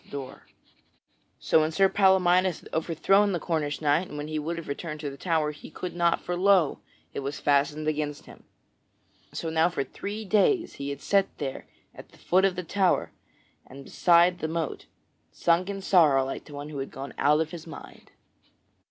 [Sidenote: How Sir Palamydes came without the tower] So when Sir Palamydes had overthrown the Cornish knight, and when he would have returned to the tower, he could not, for lo! it was fastened against him. So now for three days he had set there at the foot of the tower and beside the moat, sunk in sorrow like to one who had gone out of his mind.